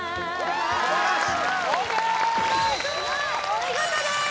お見事です